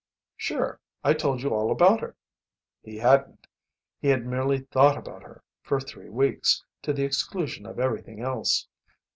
"Sure. I told you all about her." He hadn't. He had merely thought about her, for three weeks, to the exclusion of everything else.